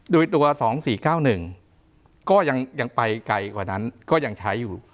โดยตัว๒๔๙๑ก็ยังไปไกลกว่านั้นก็ยังใช้อยู่